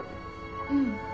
うん。